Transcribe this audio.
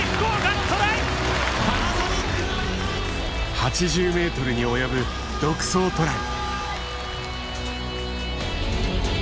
８０ｍに及ぶ独走トライ。